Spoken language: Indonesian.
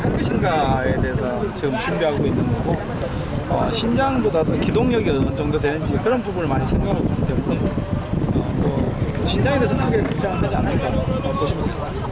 timnya lebih bergerak dari timnya